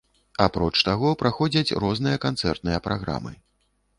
Апроч таго, праходзяць розныя канцэртныя праграмы.